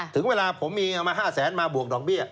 ถึงเวลาผมมีเงินมา๕แสนมาบวกดอกเบี้ย